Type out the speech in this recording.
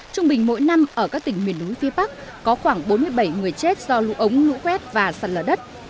trung bình mỗi năm ở các tỉnh miền núi phía bắc có khoảng bốn mươi bảy người chết do lũ ống lũ quét và sạt lở đất